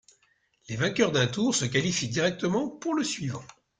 Les vainqueurs d'un tour se qualifient directement pour le suivant.